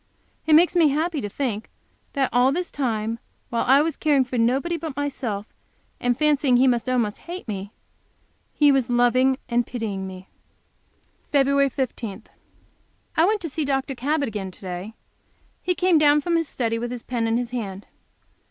It makes me so happy to think that all this time, while I was caring for nobody but myself, and fancying He must almost hate me, He was loving and pitying me. Feb. 15. I went to see Dr. Cabot again to day. He came down from his study with his pen in his hand.